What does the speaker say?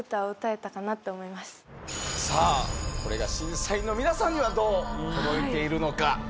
さあこれが審査員の皆さんにはどう届いているのか？